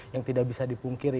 yang tidak bisa dipungkiri